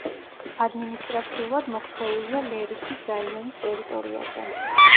ადმინისტრაციულად მოქცეულია ლერიქის რაიონის ტერიტორიაზე.